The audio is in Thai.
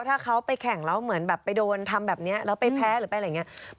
ถ้าเขาไปแข่งแล้วเหมือนแบบไปโดนทำแบบนี้แล้วไปแพ้หรือไปอะไรอย่างนี้